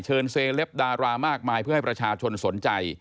เซเลปดารามากมายเพื่อให้ประชาชนสนใจ